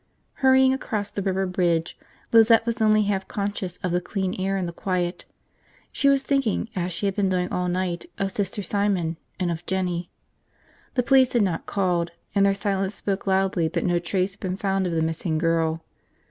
Hurrying across the river bridge, Lizette was only half conscious of the clean air and the quiet. She was thinking as she had been doing all night of Sister Simon and of Jinny. The police had not called, and their silence spoke loudly that no trace had been found of the missing girl.